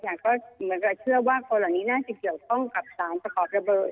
อย่างก็เหมือนกับเชื่อว่าคนเหล่านี้น่าจะเกี่ยวข้องกับสารตะขอดระเบิด